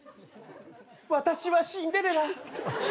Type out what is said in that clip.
私はシンデレラ。